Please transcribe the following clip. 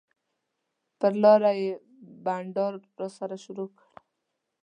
پر لاره یې بنډار راسره شروع کړ.